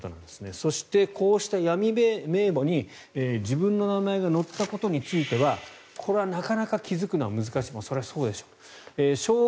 そして、こうした闇名簿に自分の名前が載ったことについてはこれはなかなか気付くのは難しいそれはそうでしょう。